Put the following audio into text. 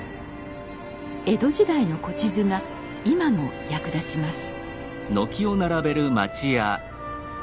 江戸時代の古地図が今も役立ちます。